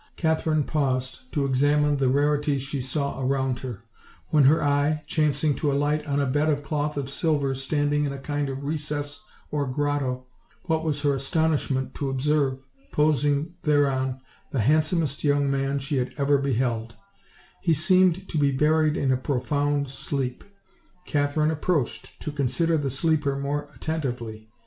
Katherine paused to examine the rarities she saw around her; when her eye, chancing to alight on a bed of cloth of silver standing in a kind of recess or grotto, what was her astonishment to observe, posing thereon, the handsomest young man she had ever beheld; he seemed to be buried in a profound sleep. Katherine approached to consider the sleeper more at tentively.